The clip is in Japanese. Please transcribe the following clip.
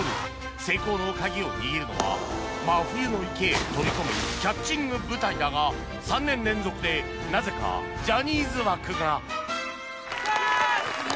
成功の鍵を握るのは真冬の池へ飛び込むキャッチング部隊だが３年連続でなぜかジャニーズ枠が